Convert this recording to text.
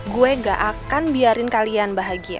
gue gak akan biarin kalian bahagia